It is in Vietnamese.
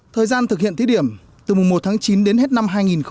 thời gian thực hiện thí điểm từ mùa một tháng chín đến hết năm hai nghìn một mươi sáu